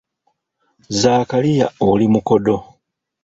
Zaakaliya oli mukodo